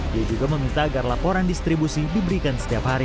dia juga meminta agar laporan distribusi diberikan setiap hari